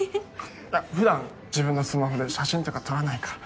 普段自分のスマホで写真とか撮らないから